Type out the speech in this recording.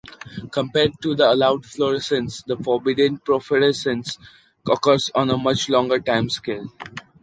Compared to the "allowed" fluorescence, the "forbidden" phosphorescence occurs on a much longer time scale.